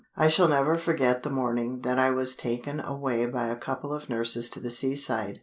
I shall never forget the morning that I was taken away by a couple of nurses to the seaside.